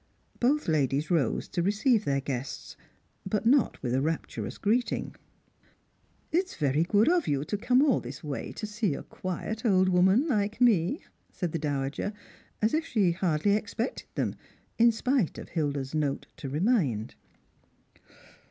Both ladies rose to receive their guests, but not with a rapturous greeting. " It's very good of you to come all this way to see a quiet old woman like me," said the dowager, as if she had hardly ex pected them, in spite of Hilda's note "to remind."